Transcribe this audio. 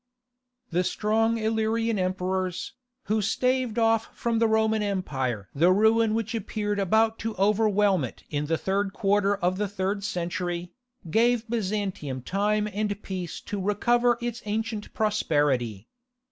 The strong Illyrian emperors, who staved off from the Roman Empire the ruin which appeared about to overwhelm it in the third quarter of the third century, gave Byzantium time and peace to recover its ancient prosperity.